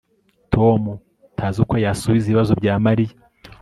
tom ntazi uko yasubiza ibibazo bya mariya